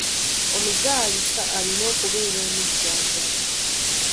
Omuzaalisa alina okubeera omujjanjabi?